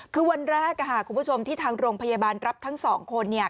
คือวันแรกคุณผู้ชมที่ทางโรงพยาบาลรับทั้งสองคนเนี่ย